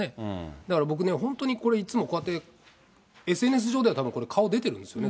だから僕ね、本当にいつもこうやってＳＮＳ上では、たぶんこれ、顔出てるんですよね。